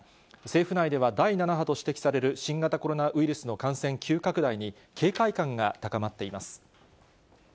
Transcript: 政府内では、第７波と指摘される新型コロナウイルスの感染急拡大に、警戒感が高まっています。